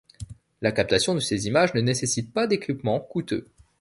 La captation de ces images ne nécessite pas d'équipements coûteux.